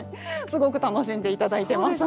すごく楽しんで頂いてます。